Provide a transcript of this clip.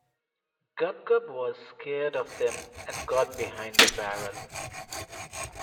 Gub-Gub was scared of them and got behind a barrel.